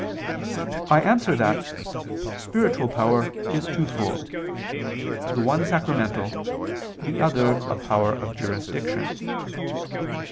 I answer that, Spiritual power is twofold, the one sacramental, the other a power of jurisdiction.